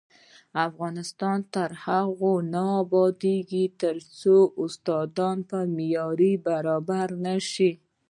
افغانستان تر هغو نه ابادیږي، ترڅو استادان په معیار برابر نشي.